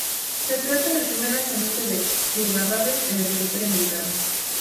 Se trata del primer lanzamiento de Sugababes en el territorio americano.